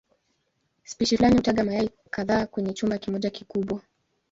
Spishi fulani hutaga mayai kadhaa kwenye chumba kimoja kikubwa.